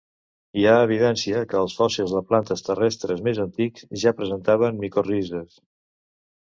Hi ha evidència que els fòssils de plantes terrestres més antics ja presentaven micorrizes.